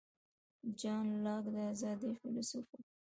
جان لاک د آزادۍ فیلیسوف و.